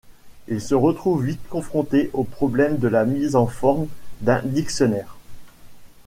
Il se retrouve vite confronté au problème de la mise en forme d'un dictionnaire.